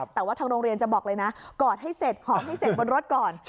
แต่ว่าทางโรงเรียนจะบอกเลยนะกอดให้เสร็จหอมให้เสร็จบนรถก่อน